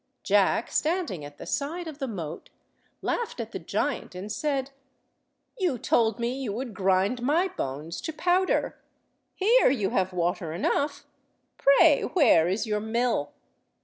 Jack, standing at the side of the moat, laughed at the giant and said— "You told me you would grind my bones to powder. Here you have water enough. Pray, where is your mill?"